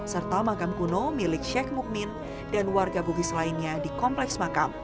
serta makam kuno milik sheikh mukmin dan warga bugis lainnya di kompleks makam